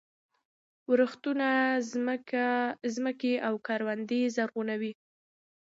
ورښتونه ځمکې او کروندې زرغونوي.